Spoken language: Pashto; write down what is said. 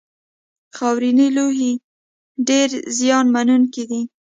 خاورینې لوحې ډېرې زیان منونکې دي.